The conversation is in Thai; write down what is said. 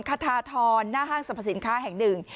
คาธาทรหน้าห้างสรรพสินค้าแห่งหนึ่ง